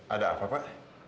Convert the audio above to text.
ada apa pak